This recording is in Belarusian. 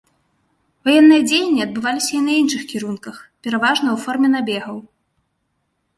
Ваенныя дзеянні адбываліся і на іншых кірунках, пераважна ў форме набегаў.